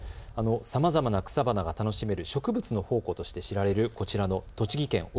さまざまな草花が楽しめる植物の宝庫として知られる栃木県奥